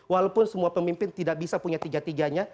walaupun semua pemimpin tidak bisa punya tiga tiganya